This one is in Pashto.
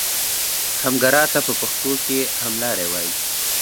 همګرا ته په پښتو کې هملاری وایي.